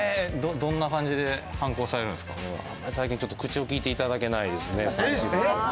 どんな感じで反抗されるんで最近、口を聞いていただけないですね。